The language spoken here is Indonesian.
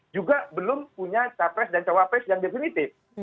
juga belum punya capres dan cawapres yang definitif